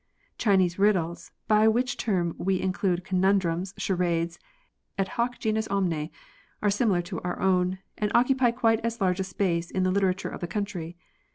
Chinese riddles, by which term we in clude conundrums, charades, et hoc genus omne, are similar to our own, and occupy quite as large a space in the literature of the country.